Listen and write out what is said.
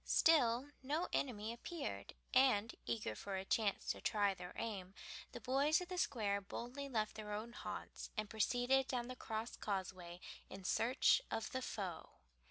Still no enemy appeared, and, eager for a chance to try their aim, the boys of the Square boldly left their own haunts and proceeded down the Crosscauseway in search of the foe.